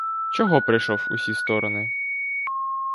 Чого прийшов у сі сторони?